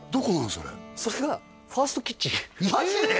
それそれがファーストキッチンマジで！？